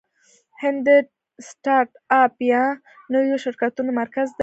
هند د سټارټ اپ یا نویو شرکتونو مرکز دی.